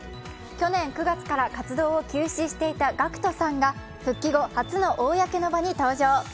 去年９月から活動を休止していたＧＡＣＫＴさんが復帰後初の公の場に登場。